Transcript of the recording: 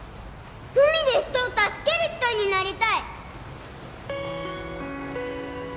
海で人を助ける人になりたい